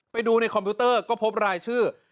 ไปดูในคอมพิวเตอร์ก็พบรายชื่อ